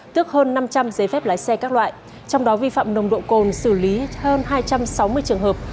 tước hơn năm trăm linh giấy phép lái xe các loại trong đó vi phạm nồng độ cồn xử lý hơn hai trăm sáu mươi trường hợp